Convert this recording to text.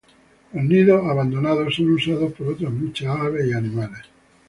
Los nidos abandonados son usados por otras muchas aves y animales.